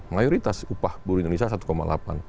mayoritas upah di indonesia satu delapan juta